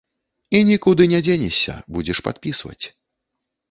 І нікуды не дзенешся, будзеш падпісваць.